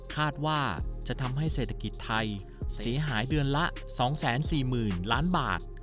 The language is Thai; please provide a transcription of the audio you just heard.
คาดว่าจะทำให้เศรษฐกิจไทยเสียหายเดือนละ๒๔๐๐๐ล้านบาท